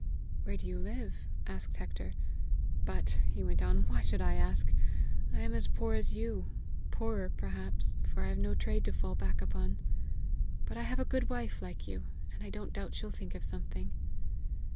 "Where do you live?" asked Hector "But," he went on, "why should I ask? I am as poor as you poorer, perhaps, for I have no trade to fall back upon. But I have a good wife like you, and I don't doubt she'll think of something."